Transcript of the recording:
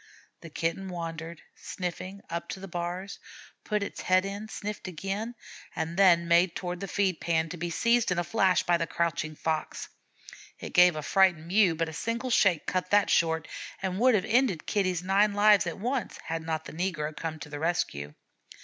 The Kitten wandered, sniffing, up to the bars, put its head in, sniffed again, then made toward the feed pan, to be seized in a flash by the crouching Fox. It gave a frightened "mew," but a single shake cut that short and would have ended Kitty's nine lives at once, had not the negro come to the rescue.